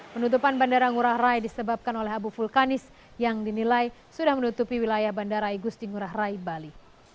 penutupan bandara ngurah rai disebabkan oleh abu vulkanis yang dinilai sudah menutupi wilayah bandara igusti ngurah rai bali